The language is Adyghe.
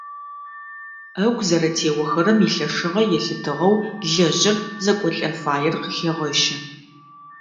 Ӏэгу зэрэтеохэрэм илъэшыгъэ елъытыгъэу лэжъыр зэкӏолӏэн фаер къыхегъэщы.